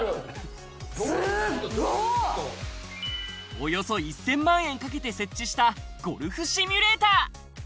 およそ１０００万円かけて設置したゴルフシミュレーター。